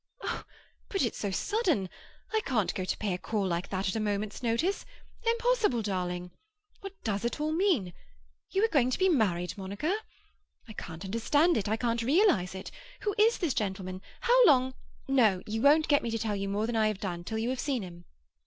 "Oh, but it's so sudden! I can't go to pay a call like that at a moment's notice. Impossible, darling! What does it all mean? You are going to be married, Monica? I can't understand it. I can't realize it. Who is this gentleman? How long—" "No; you won't get me to tell you more than I have done, till you have seen him."